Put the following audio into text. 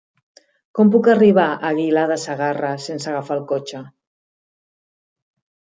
Com puc arribar a Aguilar de Segarra sense agafar el cotxe?